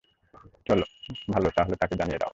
ভালো, তাহলে তাকে জানিয়ে দাও।